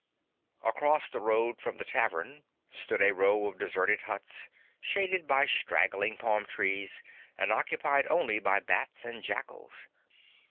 Across the road from the tavern stood a row of deserted huts, shaded by straggling palm trees, and occupied only by bats and jackals.